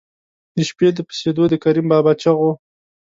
د شپې د پسېدو د کریم بابا چغو.